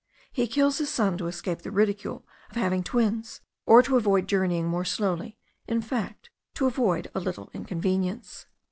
He kills his son to escape the ridicule of having twins, or to avoid journeying more slowly; in fact, to avoid a little inconvenience.